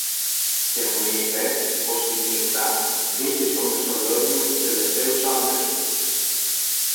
Και μου είπε, πώς τη νύχτα, μπήκε στο Μεσολόγγι με τους τελευταίους άντρες του.